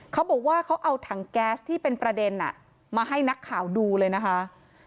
เขาบอกว่าเขาเอาถังแก๊สที่เป็นประเด็นมาให้นักข่าวดูเลยนะคะ